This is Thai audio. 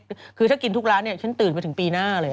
ถ้ากินทุกร้านเครื่องวัศธิ์นี่ฉันตื่นมาถึงปีหน้าเลย